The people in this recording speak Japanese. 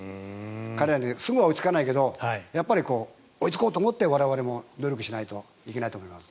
彼らにはすぐには追いつけないけど追いつこうと思って我々も努力しないといけないと思います。